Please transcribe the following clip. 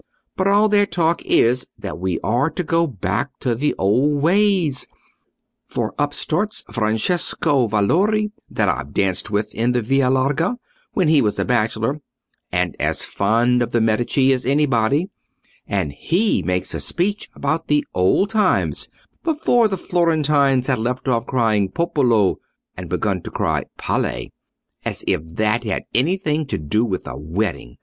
But all their talk is, that we are to go back to the old ways: for up starts Francesco Valori, that I've danced with in the Via Larga when he was a bachelor and as fond of the Medici as anybody, and he makes a speech about the old times, before the Florentines had left off crying 'Popolo' and begun to cry 'Palle'—as if that had anything to do with a wedding!